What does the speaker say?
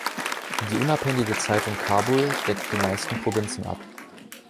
Die unabhängige Zeitung Kabul deckt die meisten Provinzen ab.